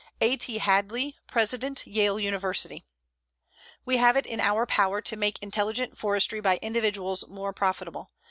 A. T. HADLEY, President Yale University: We have it in our power to make intelligent forestry by individuals more profitable.